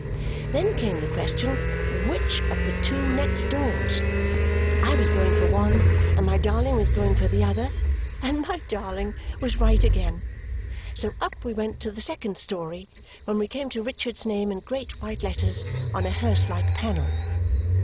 Then came the question, which of the two next doors? I was going for the one, and my darling was going for the other; and my darling was right again. So up we went to the second story, when we came to Richard's name in great white letters on a hearse like panel.